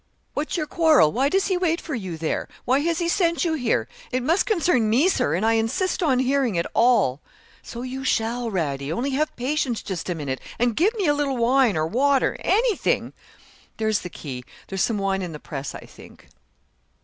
'What's your quarrel? why does he wait for you there? why has he sent you here? It must concern me, Sir, and I insist on hearing it all.' 'So you shall, Radie; only have patience just a minute and give me a little wine or water anything.' 'There is the key. There's some wine in the press, I think.'